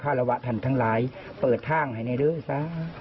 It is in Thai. ข้าระวะทันทั้งหลายเปิดท่างให้ในด้วยซะ